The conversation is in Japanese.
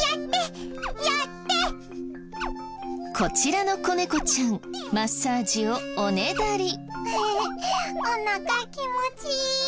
こちらの子猫ちゃんマッサージをおねだり。